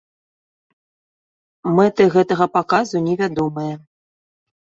Мэты гэтага паказу невядомыя.